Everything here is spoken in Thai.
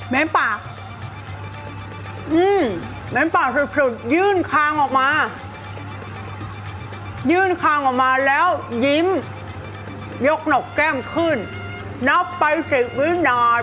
แม้ปากสุดยื่นคางออกมาแล้วยิ้มยกหลบแก้มขึ้นนับไป๑๐วินาที